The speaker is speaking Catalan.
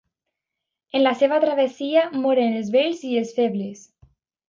En la seva travessia moren els vells i els febles.